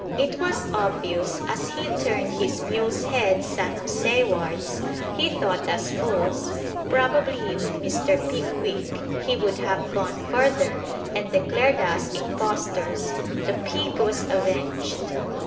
It was obvious, as he turned his mule's head San José wards, he thought us fools, Probably, with Mr. Pickwick, he would have gone further and declared us impostors. The pig was avenged!